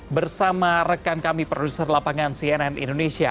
bersama rekan kami produser lapangan cnn indonesia